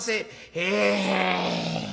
「へえ。